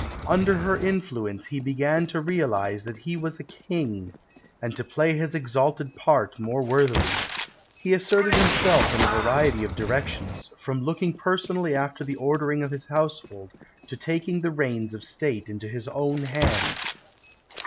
Under her influence he began to realise that he was a King, and to play his exalted part more worthily. He asserted himself in a variety of directions, from looking personally after the ordering of his household to taking the reins of State into his own hands.